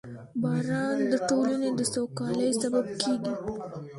• باران د ټولنې د سوکالۍ سبب کېږي.